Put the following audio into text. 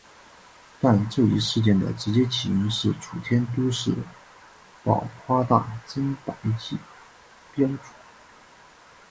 但这一事件的直接起因是楚天都市报夸大增白剂标准。